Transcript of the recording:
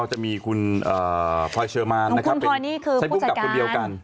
ก็จะมีคุณพลอยเชอร์มานใช้ผู้กับคนเดียวกัน